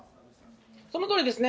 そのとおりですね。